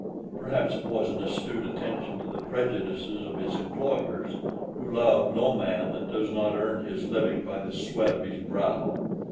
Perhaps it was an astute attention to the prejudices of his employers, who love no man that does not earn his living by the sweat of his brow.